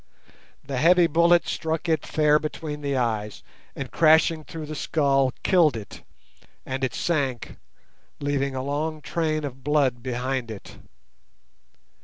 The heavy bullet struck it fair between the eyes, and, crashing through the skull, killed it, and it sank, leaving a long train of blood behind it.